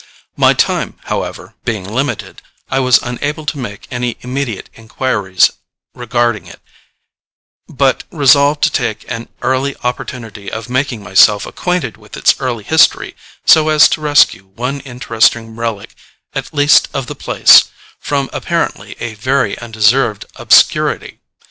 My time, however, being limited, I was unable to make any immediate inquiries regarding it, but resolved to take an early opportunity of making myself acquainted with its early history, so as to rescue one interesting relic at least of the place from apparently a very undeserved obscurity.